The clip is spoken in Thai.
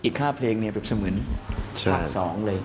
อีก๕เพลงนี้เป็นเสมือนภาค๒เลย